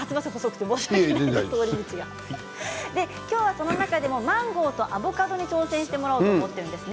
今日はその中でもマンゴーとアボカドに挑戦してもらおうと思っています。